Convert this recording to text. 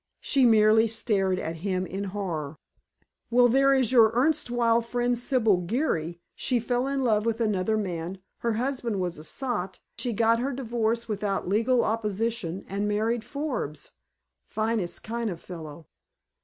She merely stared at him in horror. "Well, there is your erstwhile friend, Sibyl Geary. She fell in love with another man, her husband was a sot, she got her divorce without legal opposition, and married Forbes finest kind of fellow."